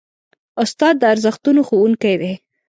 استاد د ارزښتونو ښوونکی دی.